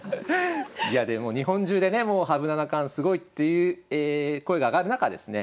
いやでも日本中でねもう羽生七冠すごいっていう声が上がる中ですね